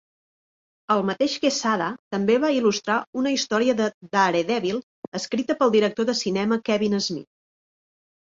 El mateix Quesada també va il·lustrar una història de "Daredevil" escrita pel director de cinema Kevin Smith.